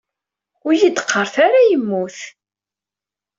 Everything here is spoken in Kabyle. Ur iyi-d-qqaret ara yemmut.